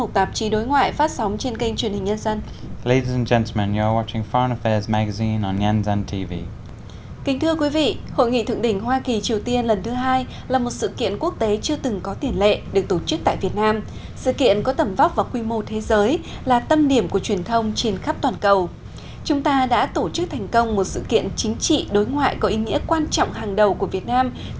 thưa quý vị quý vị đang theo dõi chuyên mục tạp chí đối ngoại phát sóng trên kênh truyền hình nhân dân